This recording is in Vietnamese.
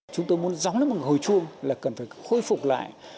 chúng tôi muốn giống như một hồi chuông là cần phải khôi phục lại